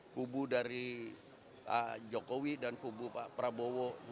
kubu dari jokowi dan kubu pak prabowo